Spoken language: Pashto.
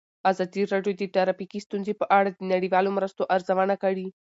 ازادي راډیو د ټرافیکي ستونزې په اړه د نړیوالو مرستو ارزونه کړې.